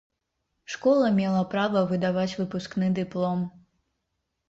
Школа мела права выдаваць выпускны дыплом.